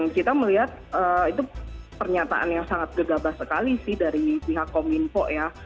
kita melihat itu pernyataan yang sangat gegabah sekali sih dari pihak kominfo ya